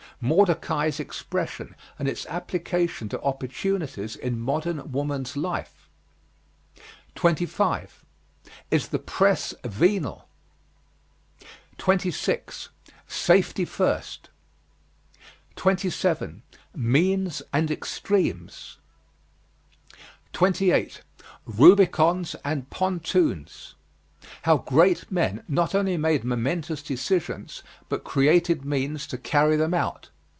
Mordecai's expression and its application to opportunities in modern woman's life. 25. IS THE PRESS VENAL? 26. SAFETY FIRST. 27. MENES AND EXTREMES. 28. RUBICONS AND PONTOONS. How great men not only made momentous decisions but created means to carry them out.